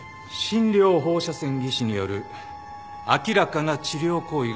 診療放射線技師による明らかな治療行為がありましたね。